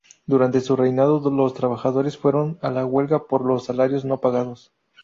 Durante su reinado los trabajadores fueron a la huelga por los salarios no pagados.